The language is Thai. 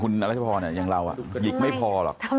นี่ต้องตีอย่างคุณรักษาพรอย่างเราหยิกไม่พอหรอก